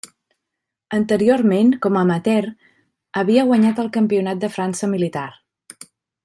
Anteriorment, com a amateur, havia guanyat el Campionat de França militar.